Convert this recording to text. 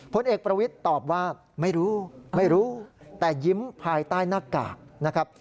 ผลเอกประวิทย์ตอบว่าไม่รู้ไม่รู้แต่ยิ้มภายใต้หน้ากากนะครับ